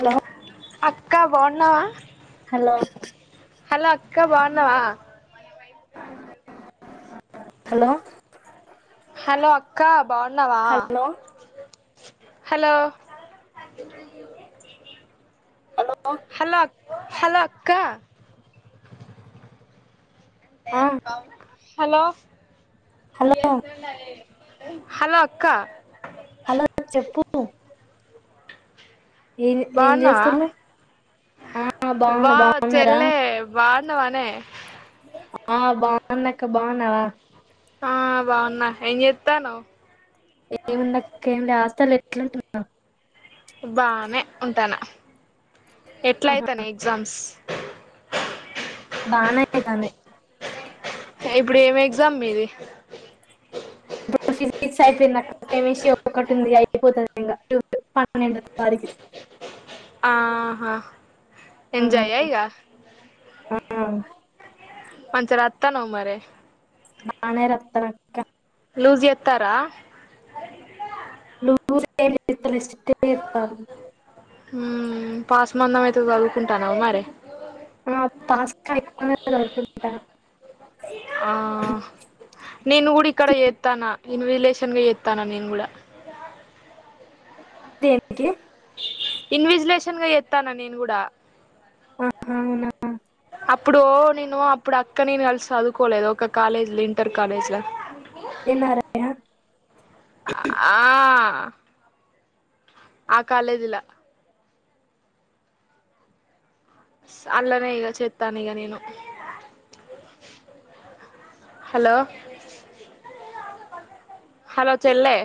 hello అక్క బాగున్నావా hello hello అక్క బాగున్నవా హలో హలో అక్క బాగున్నావా hello hello hello hello hello అక్క అంటే ఆ అది బాగుంది హలో హలో ఎట్లున్నావే హలో అక్క హలో చెప్పు ఏం ఏం బాగున్నావా చేస్తున్నావ్ ఆ బాగున్నా వా బాగున్నారా చెల్లె బాగున్నావానే బానక్క బాగున్నావా ఆ బాగున్నా ఏం చేత్తాన్నావ్ ఏముందక్క ఏం లే హాస్టల్ ఇట్లుంటున్న బానే ఉంటాను ఎట్లా ఆహా, అయితనై ఎగ్జామ్స్ బానే అయితున్నాయి ఇప్పుడు ఏమి ఎగ్జామ్ మీది ఫిజక్స్ అయిపోయిన కెమిస్ట్రీ ఒకటి ఉంది అయిపోతుంది ఇంకా పన్నెండ వారికి ఆహా ఆ, ఎంజాయ ఇగా ఆ, మంచి రాత్తానవ మరి బానే రాత్తనక్క లూజీ ఇత్తారా లూజ్ ఏం లేదు స్ట్రిక్ట్ గా ఇత్తరు ఉ పాస్ మందం అయితే చదువుకుంటన్నావ మరి పాస్ ఎక్కువనే చదువుకుంటాను ఆ నేను కూడా ఇక్కడ చేత్తానా నను రిలేషన్గా చేత్తన్నా నేను కూడా తె ఇన్విజలేషన్ గా చెత్తన్న నేను కూడా ఆహా, అవునా అప్ ఇప్పుడు నేను అప్పుడు అక్క నేను కలిసి చదువుకోలేదు ఒక కాలేజీలో ఇంటర్ కాలేజీలో ఏ నారాయణ ఆ ఆ కాలేజిలా సాల్లనే ఈ చెత్తాను ఇగ నేను హలో హలో చెెల్లె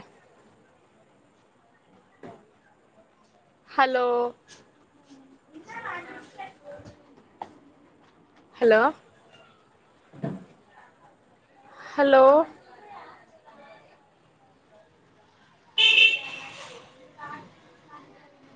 హలో హలో హలో